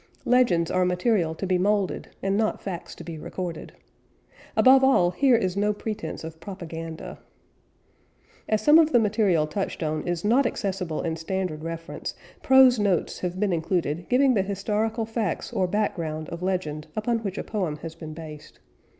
Legends are material to be moulded, and not facts to be recorded. Above all here is no pretence of propaganda. As some of the material touched on is not accessible in standard reference, prose notes have been included giving the historical facts or background of legend upon which a poem has been based.